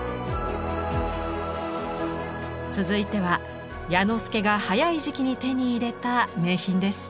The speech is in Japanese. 続いては彌之助が早い時期に手に入れた名品です。